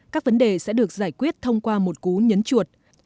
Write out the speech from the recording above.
các vấn đề sẽ được giải quyết thông qua một cú nhấn chuột